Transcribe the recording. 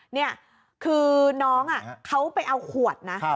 นี่คือน้องเขาไปเอาขวดนะ